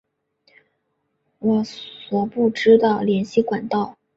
我所不知的联系管道